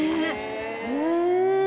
うん！